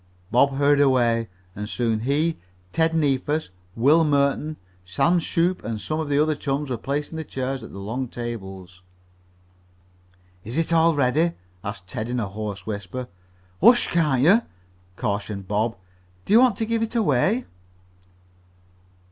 Bob hurried away, and soon he, Ted Neefus, Will Merton, Sam Shoop and some other chums were placing the chairs at the long tables. "Is it all ready?" asked Ted in a hoarse whisper. "Hush, can't you!" cautioned Bob. "Do you want to give it away?"